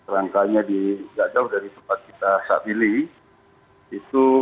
rangkanya di tidak jauh dari tempat kita saat pilih